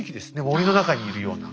森の中にいるような。